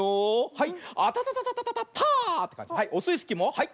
はいオスイスキーもはい。